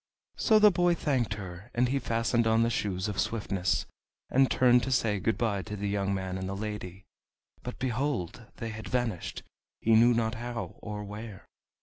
So the boy thanked her, and he fastened on the Shoes of Swiftness, and turned to say good by to the young man and the lady. But, behold! they had vanished, he knew not how or where!